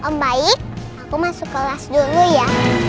mbaik aku masuk kelas dong ya